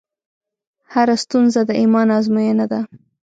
هره ستونزه د ایمان ازموینه ده.